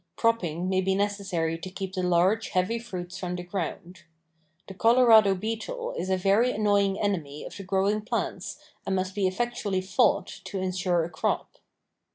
Propping may be necessary to keep the large, heavy fruits from the ground. The Colorado beetle is a very annoying enemy of the growing plants and must be effectually fought to insure a crop.